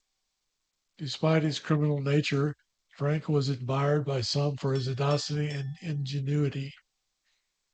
Despite his criminal nature, Frank was admired by some for his audacity and ingenuity.